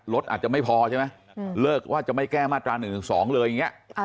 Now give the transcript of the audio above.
อาจจะไม่พอใช่ไหมเลิกว่าจะไม่แก้มาตรา๑๑๒เลยอย่างนี้